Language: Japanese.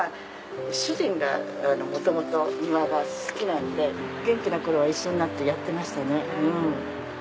主人が元々庭が好きなんで元気な頃は一緒になってやってましたね。